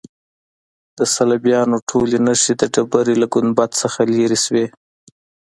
د صلیبیانو ټولې نښې د ډبرې له ګنبد څخه لیرې شوې.